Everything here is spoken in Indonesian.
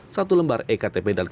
satu lembar iktp dan kartu keluarga